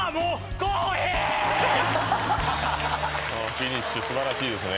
フィニッシュ素晴らしいですね。